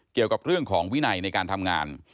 เกี่ยวกับเรื่องของวินัยในการทำงาน